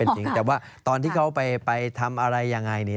แต่ว่าตอนที่เขาไปทำอะไรยังไง